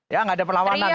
ya gak ada perlawanan